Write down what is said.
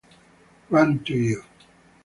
Run to You